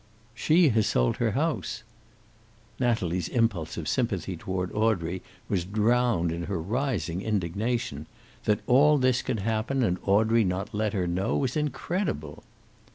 "She has sold her house." Natalie's impulse of sympathy toward Audrey was drowned in her rising indignation. That all this could happen and Audrey not let her know was incredible.